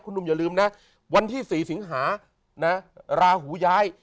คุณหนุ่มอย่าลืมนะวันที่สี่สิงหาราหูย้าย